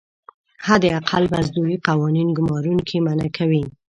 حداقل مزدوري قوانین ګمارونکي منعه کوي.